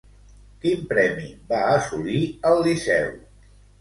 Quin premi va assolir al Liceu?